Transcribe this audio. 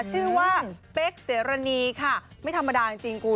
ชื่อว่าเป๊กเสรณีค่ะไม่ธรรมดาจริงคุณ